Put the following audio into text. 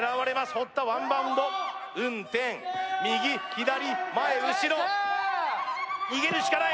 堀田ワンバウンド運天右左前後ろ逃げるしかない